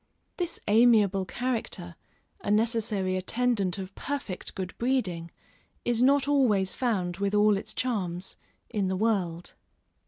This amiable character, a necessary attendant of perfect good breeding, is not always found with all its charms, in the world.